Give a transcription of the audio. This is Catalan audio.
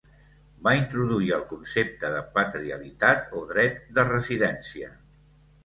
Va introduir el concepte de "patrialitat o dret de residència".